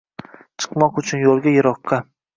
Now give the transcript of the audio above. Chiqmoq uchun yo‘lga — yiroqqa —